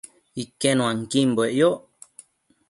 Iquenuanquimbue yoc